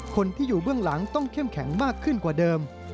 คนที่อยู่เบื้องหลังต้องเข้มแข็งมากขึ้นกว่าเดิม